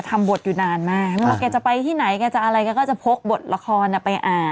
ท่ามบทอยู่นานมากรากันจะไปที่ไหนจะอะไรก็จะพกบทละครไปอ่า